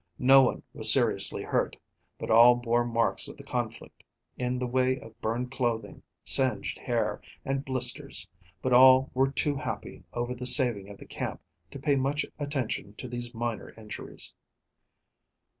No one was seriously hurt, but all bore marks of the conflict, in the way of burned clothing, singed hair, and blisters, but all were too happy over the saving of the camp to pay much attention to these minor injuries.